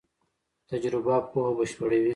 تجربه پوهه بشپړوي.